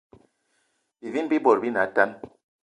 Bivini bi bot bi ne atane